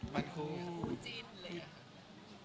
บ้านคู่จินเลยอะค่ะ